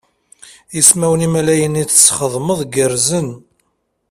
Ismawen Imaliyen tesxedmeḍ gerrzen.